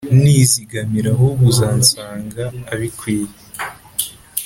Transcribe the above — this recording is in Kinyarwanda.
nizigamira ahubwo uzansanga abikwiye